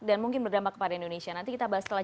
mungkin berdampak kepada indonesia nanti kita bahas setelah